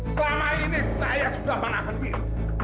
selama ini saya sudah menahan diri